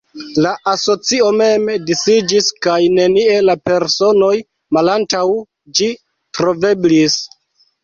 La asocio mem disiĝis kaj nenie la personoj malantaŭ ĝi troveblis.